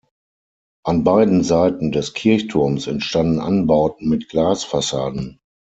An beiden Seiten des Kirchturms entstanden Anbauten mit Glasfassaden.